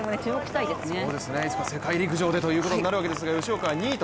いつか世界陸上でとなるわけですけど、吉岡は２位と